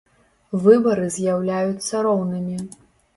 Выбары з’яўляюцца роўнымі.